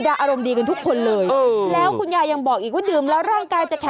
ตอนแรกก็ฉันจะไม่กินหรอกฉันอิ่ม